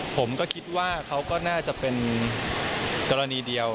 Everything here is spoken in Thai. ผมก็คิดว่าเขาก็น่าจะเป็นกรณีเดียว